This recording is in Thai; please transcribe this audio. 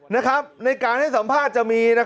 นะครับในการให้สัมภาษณ์จะมี